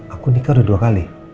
aku nikah udah dua kali